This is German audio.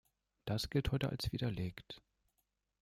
Dies gilt heute als widerlegt.